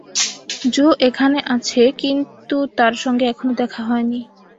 জো এখানে আছে, কিন্তু তার সঙ্গে এখনও দেখা হয়নি।